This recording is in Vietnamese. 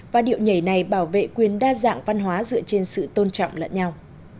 và điệu nhảy này bảo vệ quyền đa dạng văn hóa dựa trên sự tôn trọng lẫn nhau